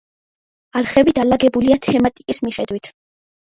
არხები დალაგებულია თემატიკის მიხედვით.